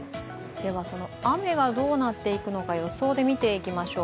雨がどうなっていくのか予想で見ていきましょう。